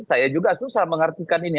saya juga susah mengartikan ini